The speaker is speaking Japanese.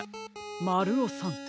まるおさん。